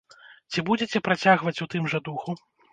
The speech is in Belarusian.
Ці будзеце працягваць у тым жа духу?